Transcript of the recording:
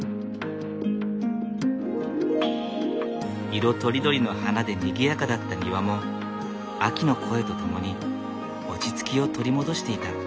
色とりどりの花でにぎやかだった庭も秋の声と共に落ち着きを取り戻していた。